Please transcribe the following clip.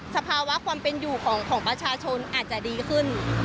สภาวะความเป็นอยู่ของประชาชนอาจจะดีขึ้น